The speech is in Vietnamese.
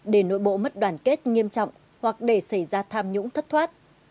để nội bộ mất đoàn kết nghiêm trọng hoặc để xảy ra tham nhũng thất thoát